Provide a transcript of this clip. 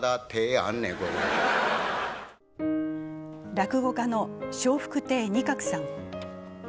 落語家の笑福亭仁鶴さん。